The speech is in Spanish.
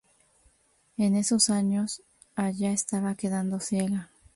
En esos años, ella estaba quedando ciega.